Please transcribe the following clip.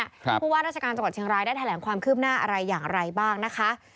ผู้ว่าราชการจังหวัดเชียงรายได้แถลงความคืบหน้าอะไรอย่างไรบ้างนะคะ